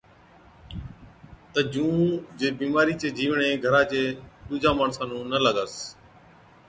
تہ جُون جي بِيمارِي چين جِيوڙين گھرا چي ڏُوجان ماڻسا نُون نہ لاگس۔